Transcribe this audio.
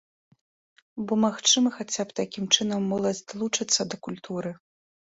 Бо, магчыма, хаця б такім чынам моладзь далучыцца да культуры.